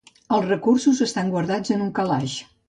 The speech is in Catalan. Els recursos estan guardats en un calaix.